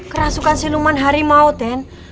kerasukan siluman harimau den